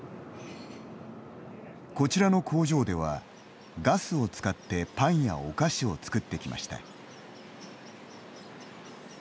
こちらの工場では、ガスを使ってパンやお菓子を作ってきました。